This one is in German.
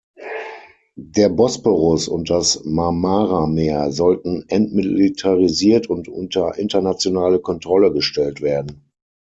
Der Bosporus und das Marmarameer sollten entmilitarisiert und unter internationale Kontrolle gestellt werden.